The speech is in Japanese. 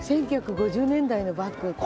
１９５０年代のバッグ